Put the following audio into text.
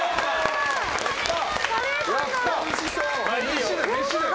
おいしそう。